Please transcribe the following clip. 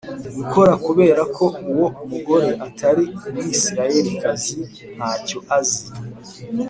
Gukora Kubera Ko Uwo Mugore Atari Umwisirayelikazi Nta Cyo Azi